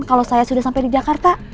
kalau saya sudah sampai di jakarta